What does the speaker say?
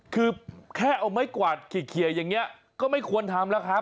คือแค่เอาไม้กวาดเขียอย่างนี้ก็ไม่ควรทำแล้วครับ